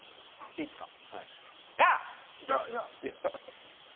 いいっすか？